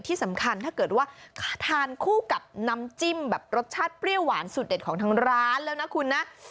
ที่สำคัญถ้าเกิดว่าทานคู่กับน้ำจิ้มแบบรสชาติเปรี้ยวหวานสุดเด็ดของทางร้านแล้วนะคุณนะ